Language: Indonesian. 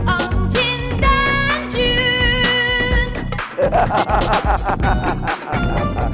om jin dan jun